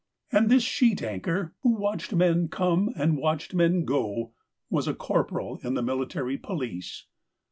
And this sheet anchor, 132 THE COWARD who watched men come and watched men go, was a corporal in the Military Police.